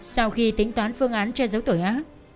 sau khi tính toán phương án che giấu tội ác